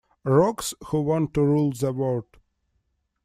Rogues who want to rule the world.